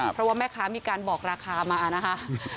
เพราะว่าแม่ค้ามีการบอกราคามานะคะ